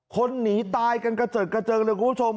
คนหนีตายกันกระเจิดกระเจิงเลยคุณผู้ชม